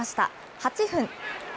８分。